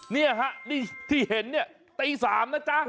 นี่ที่เห็นตี๓นะจ้าง